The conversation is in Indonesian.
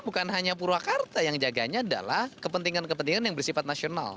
bukan hanya purwakarta yang jaganya adalah kepentingan kepentingan yang bersifat nasional